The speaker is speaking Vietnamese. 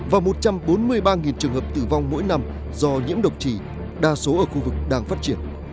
và một trăm bốn mươi ba trường hợp tử vong mỗi năm do nhiễm độc trì đa số ở khu vực đang phát triển